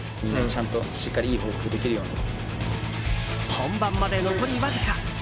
本番まで残りわずか。